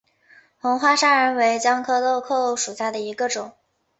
红花砂仁为姜科豆蔻属下的一个种。